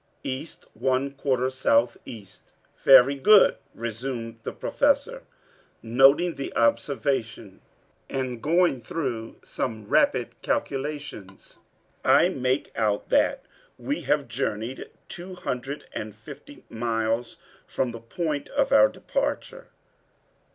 "East one quarter southeast." "Very good," resumed the Professor, noting the observation, and going through some rapid calculations. "I make out that we have journeyed two hundred and fifty miles from the point of our departure."